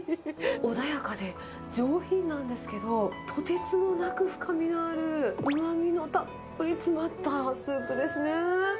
穏やかで上品なんですけど、とてつもなく深みのある、うまみのたっぷり詰まったスープですね。